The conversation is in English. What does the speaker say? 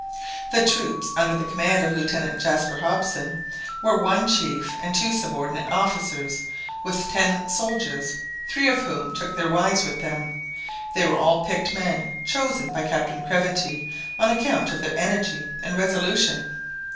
The troops, under the command of Lieutenant Jaspar Hobson, were one chief and two subordinate officers, with ten soldiers, three of whom took their wives with them. They were all picked men, chosen by Captain Craventy on account of their energy and resolution.